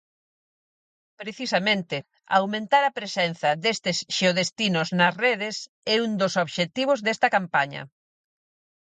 Precisamente, aumentar a presenza destes xeodestinos nas redes é un dos obxectivos desta campaña.